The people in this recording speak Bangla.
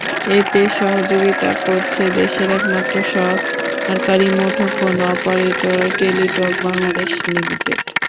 এতে সহযোগিতা করছে দেশের একমাত্র সরকারি মুঠোফোন অপারেটর টেলিটক বাংলাদেশ লিমিটেড।